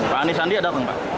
pak anis sandi ada apa